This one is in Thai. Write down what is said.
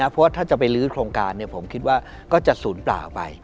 พอถ้าจะไปลืดโครงการผมคิดว่าก็จะสูญปล่าไป